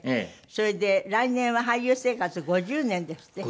それで来年は俳優生活５０年ですって？